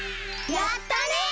やったね！